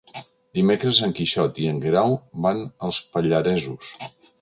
Dimecres en Quixot i en Guerau van als Pallaresos.